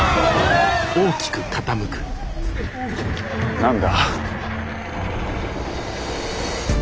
何だ？